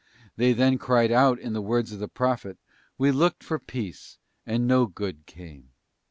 They then cried out in the words of the Prophet, ' We looked for peace, and no good came.